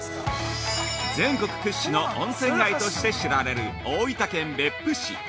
◆全国屈指の温泉街として知られる大分県別府市。